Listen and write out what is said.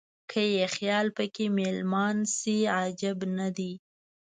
که یې خیال په کې مېلمان شي عجب نه دی.